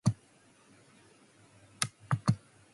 All serum samples were blinded before antibody tests.